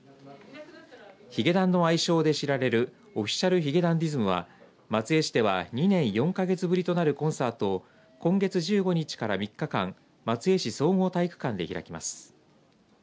ヒゲダンの愛称で知られるＯｆｆｉｃｉａｌ髭男ｄｉｓｍは松江市では２年４か月ぶりとなるコンサートを今月１５日から３日間松江市総合体育館で開きます。